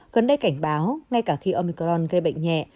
gần đây cảnh báo ngay cả khi omicron gây bệnh nhẹ